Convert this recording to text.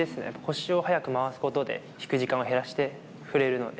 腰を速く回すことで、引く時間を減らして振れるので。